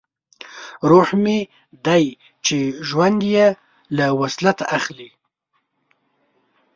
روح مې دی چې ژوند یې له وصلت اخلي